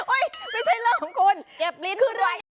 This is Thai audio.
อุ๊ยไม่ใช่เรื่องของคุณ